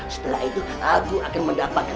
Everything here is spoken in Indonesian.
setelah itu aku akan mendapatkan